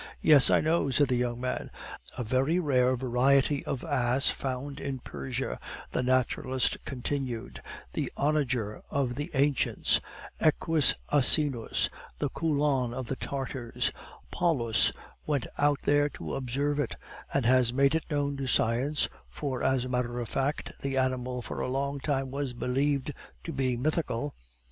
"Yes, I know," said the young man. "A very rare variety of ass found in Persia," the naturalist continued, "the onager of the ancients, equus asinus, the koulan of the Tartars; Pallas went out there to observe it, and has made it known to science, for as a matter of fact the animal for a long time was believed to be mythical.